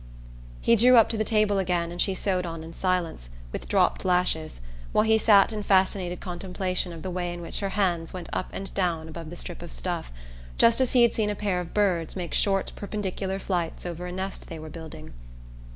He drew up to the table again and she sewed on in silence, with dropped lashes, while he sat in fascinated contemplation of the way in which her hands went up and down above the strip of stuff, just as he had seen a pair of birds make short perpendicular flights over a nest they were building.